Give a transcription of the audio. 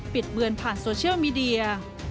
เบือนผ่านโซเชียลมีเดีย